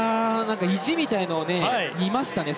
意地みたいなのを見ましたね。